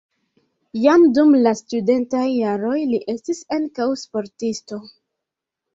Jam dum la studentaj jaroj li estis ankaŭ sportisto.